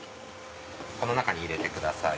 この中に入れてください。